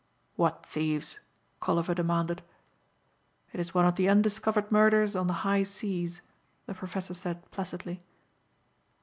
"What thieves?" Colliver demanded. "It is one of the undiscovered murders on the high seas," the professor said placidly.